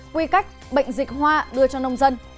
quy cách bệnh dịch hoa đưa cho nông dân